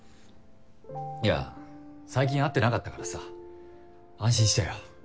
いや最近会ってなかったからさ安心したよ。